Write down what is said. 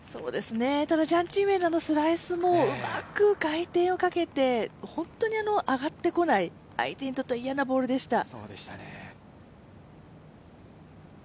ただ、ジャン・チンウェンのあのスライスもうまく回転をかけて、本当に上がってこない、相手にとっては嫌なボールでした。